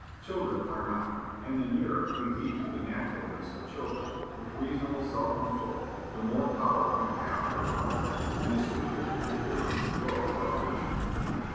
Children are not, and the nearer we keep to the naturalness of children, with reasonable self control, the more power we have over others, and the sweeter and purer grow our natures.